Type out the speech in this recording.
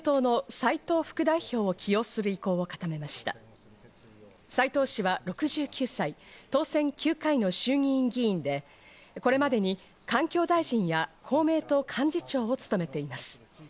斉藤氏は６９歳、当選９回の衆議院議員でこれまでに環境大臣や公明党幹事長を務めています。